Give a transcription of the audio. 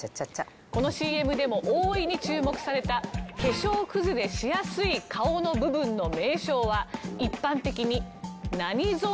このＣＭでも大いに注目された化粧崩れしやすい顔の部分の名称は一般的に何ゾーンというでしょうか？